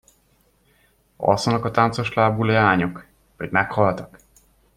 Alszanak a táncos lábú leányok, vagy meghaltak?